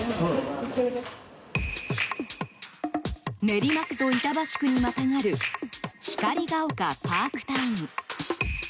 練馬区と板橋区にまたがる光が丘パークタウン。